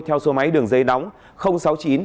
theo số máy đường dây nóng